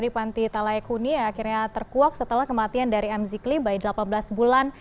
panti talai kuni akhirnya terkuak setelah kematian dari m zikli bayi delapan belas bulan